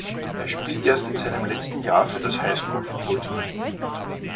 Er spielte erst in seinem letzten Jahr für das Highschoolfootballteam.